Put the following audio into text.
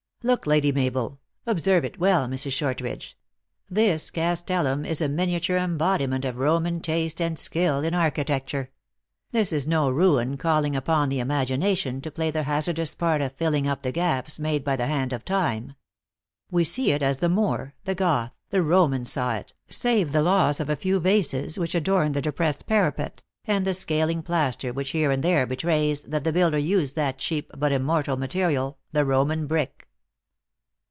" Look, Lady Mabel. Observe it well, Mrs. Short ridge. This castellum is a miniature embodiment of Roman taste and skill in architecture. This is no ruin calling upon the imagination to play the hazard THE ACTRESS IN HIGH LIFE. 161 ons part of filling up the gaps made by the hand of time. We see it as the Moor, the Goth, the Roman saw it, save the loss of a few vases which adorned the depressed parapet, and the scaling plaster which here and there betrays that the builder used that cheap but immortal material, the Roman brick."